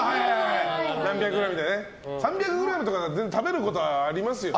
３００ｇとか全然食べることはありますよね。